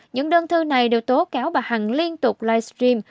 những đơn thư này đều tố cáo bà hằng liên tục livestream